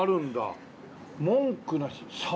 「文句なし！